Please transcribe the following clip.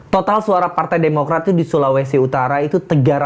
total suara partai demokrat di sulawesi utara itu tiga ratus dua puluh tujuh